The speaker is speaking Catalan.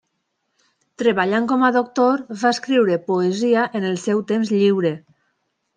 Treballant com a doctor, va escriure poesia en el seu temps lliure.